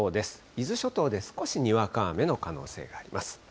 伊豆諸島で少しにわか雨の可能性があります。